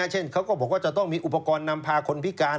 เช่นเขาก็บอกว่าจะต้องมีอุปกรณ์นำพาคนพิการ